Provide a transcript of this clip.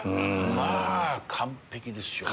まぁ完璧ですよ。